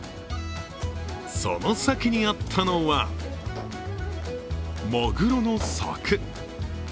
その先にあったのは、マグロの柵。